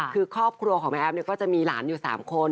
คือครอบครัวของแม่แอฟก็จะมีหลานอยู่๓คน